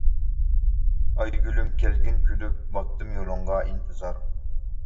ئايگۈلۈم كەلگىن كۈلۈپ، باقتىم يولۇڭغا ئىنتىزار.